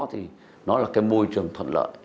thì nó là cái môi trường thuận lợi